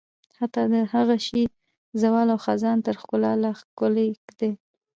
حتی د هغه شي زوال او خزان تر ښکلا لا ښکلی دی.